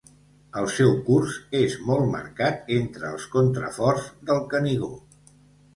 El seu curs és molt marcat entre els contraforts del Canigó.